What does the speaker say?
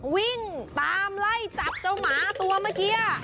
วิ่งตามไล่จับเจ้าหมาตัวเมื่อกี้